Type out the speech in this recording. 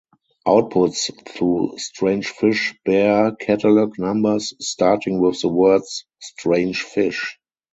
Outputs through Strange Fish bare catalog numbers starting with the words "strange fish".